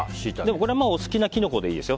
お好きなキノコでいいですよ。